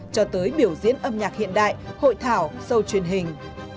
cho tới biểu diễn âm nhạc hiện đại hội thảo sâu truyền hình